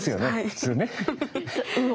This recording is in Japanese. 普通ね。